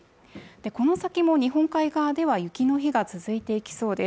この先も日本海側では雪の日が続いていきそうです